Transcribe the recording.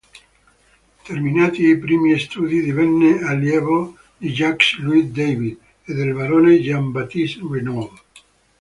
Terminati i primi studi divenne allievo di Jacques-Louis David e del barone Jean-Baptiste Regnault.